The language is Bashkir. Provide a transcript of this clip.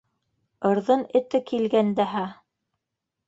Ырҙын эте килгән дәһә.